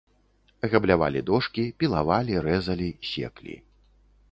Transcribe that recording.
Габлявалі дошкі, пілавалі, рэзалі, секлі.